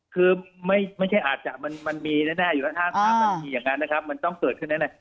คือไม่ใช่อาจจะมันมีแน่อยู่แล้ว๕๓นาทีอย่างนั้นนะครับมันต้องเกิดขึ้นแน่